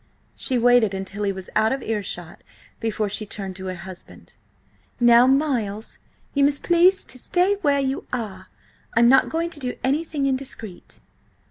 She waited until he was out of earshot before she turned to her husband. "Now, Miles, you must please to stay where you are. I am not going to do anything indiscreet."